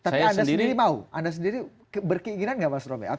tapi anda sendiri mau anda sendiri berkeinginan nggak mas romy